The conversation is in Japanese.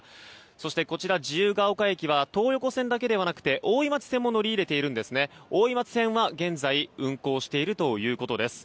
そして、こちら自由が丘駅は東横線だけではなくて大井町線も乗り入れていて大井町線は現在運行しているということです。